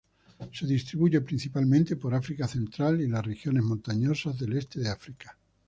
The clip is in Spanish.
Se distribuye principalmente por África Central y las regiones montañosas del este de África.